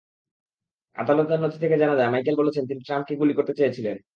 আদালতের নথি থেকে জানা যায়, মাইকেল বলেছেন, তিনি ট্রাম্পকে গুলি করতে চেয়েছিলেন।